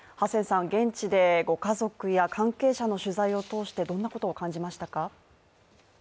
現地ご家族や関係者の取材を通してどんなことを感じましたか。